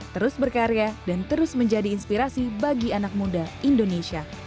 terus berkarya dan terus menjadi inspirasi bagi anak muda indonesia